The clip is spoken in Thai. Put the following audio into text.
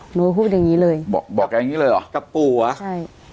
หนูก็พูดอย่างงี้เลยบอกบอกแกอย่างงี้เลยเหรอกับปู่เหรอใช่